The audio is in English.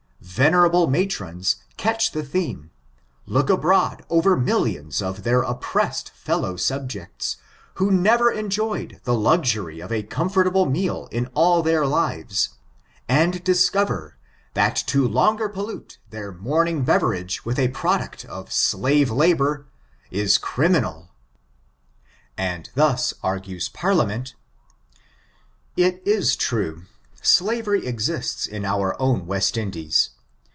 Venerable matrons catch the theme, look abroad over millions of their oppressed fellow subjects, who never enjoyed the luxury of a ^^a^^^^^^^^^^k^^^^^^^^^ r 444 STRICTURES comfortable meal in all their lives, and discover that to longer pollute their monung beverage with a product of slave labor, is criminal. And thus argues Parliament: — ^It is true, slavery exists in our own West Indies.